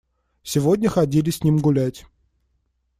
Сегодня ходили с ним гулять.